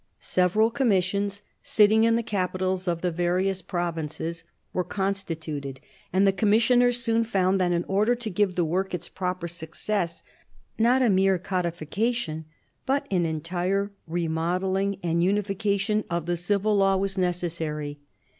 Several commissions sitting in the capitals of the various provirices were constituted, and the commissioners soon found that in order to give the work its proper success, not a mere codification, but an entire remodelling and unification of the civil law was necessary.